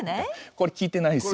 これ聞いてないんですよ。